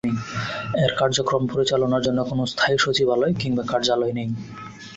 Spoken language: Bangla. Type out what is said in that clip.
এর কার্যক্রম পরিচালনার জন্য কোন স্থায়ী সচিবালয় কিংবা কার্যালয় নেই।